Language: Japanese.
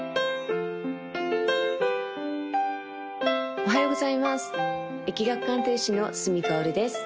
おはようございます易学鑑定士の角かおるです